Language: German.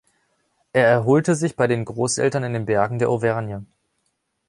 Er erholte sich bei den Großeltern in den Bergen der Auvergne.